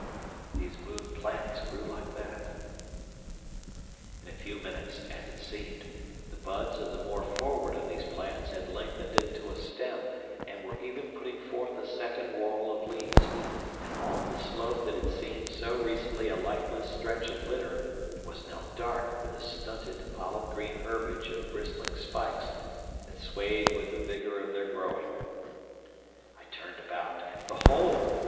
These moon plants grew like that. In a few minutes, as it seemed, the buds of the more forward of these plants had lengthened into a stem and were even putting forth a second whorl of leaves, and all the slope that had seemed so recently a lifeless stretch of litter was now dark with the stunted olive green herbage of bristling spikes that swayed with the vigour of their growing. I turned about, and behold!